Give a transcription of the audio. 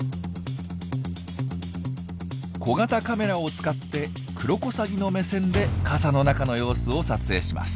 小型カメラを使ってクロコサギの目線で傘の中の様子を撮影します。